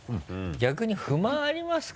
逆に不満ありますか？